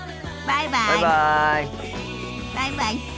バイバイ。